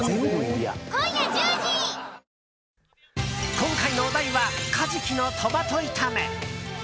今回のお題はカジキのトマト炒め。